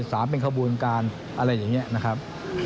สามเป็นขบวนการอะไรอย่างนี้นะครับ